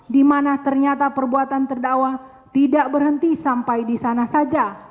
di mana ternyata perbuatan terdakwa tidak berhenti sampai di sana saja